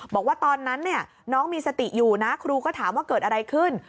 บอกว่าตอนนั้นน้องมีสติอยู่นะครูก็ถามว่าเกิดอะไรขึ้น